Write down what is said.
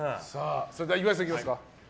それでは、岩井さんいきますか。